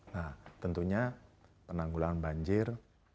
nah tentunya penanggulan banjir